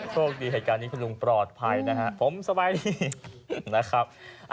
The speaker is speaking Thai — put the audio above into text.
โชคดีเหตุการณ์นี้คุณลุงปลอดภัยนะฮะผมสบายดีนะครับ